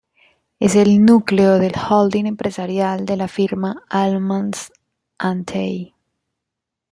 Es el núcleo del holding empresarial de la firma Almaz-Antey.